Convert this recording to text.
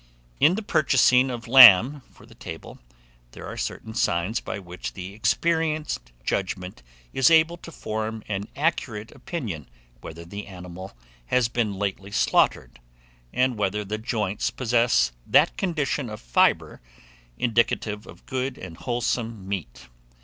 IN THE PURCHASING OF LAMB FOR THE TABLE, there are certain signs by which the experienced judgment is able to form an accurate opinion whether the animal has been lately slaughtered, and whether the joints possess that condition of fibre indicative of good and wholesome meat.